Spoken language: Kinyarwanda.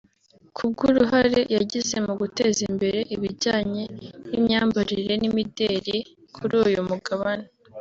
kubw’uruhare yagize mu guteza imbere ibijyanye n’imyambarire n’imideri kuri uyu mugabane